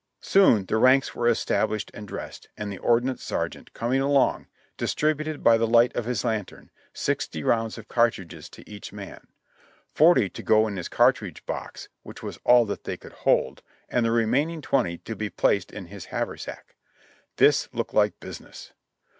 Soon the ranks were established and dressed ; and the ordnance sergeant, coming along, distributed by the light of his lantern sixty rounds of cartridges to each man ; forty to go in his car tridge box, which was all that they could hold, and the remaining twenty to be placed in his haversack. This looked like business.